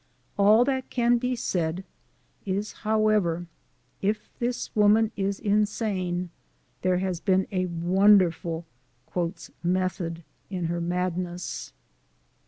All that can be said is, how ever, if this woman is insane, there has been a won derful " method in her madness."